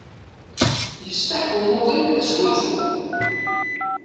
Yesteḥq umuḍin asgunfu.